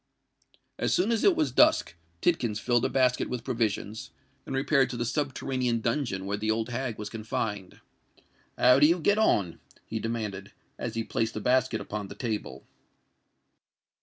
As soon as it was dusk, Tidkins filled a basket with provisions, and repaired to the subterranean dungeon where the old hag was confined. "How do you get on?" he demanded, as he placed the basket upon the table.